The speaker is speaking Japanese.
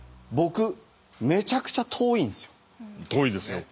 遠いですよ。